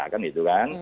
kan gitu kan